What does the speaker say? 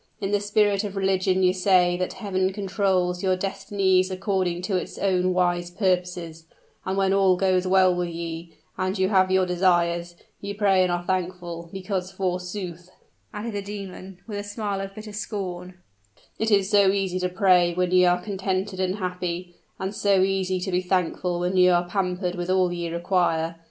In the spirit of religion ye say that Heaven controls your destinies according to its own wise purposes; and when all goes well with ye, and you have your desires, ye pray and are thankful, because, forsooth," added the demon, with a smile of bitter scorn, "it is so easy to pray when ye are contented and happy, and so easy to be thankful when ye are pampered with all ye require.